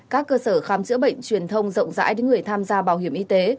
các cơ sở khám chữa bệnh truyền thông rộng rãi đến người tham gia bảo hiểm y tế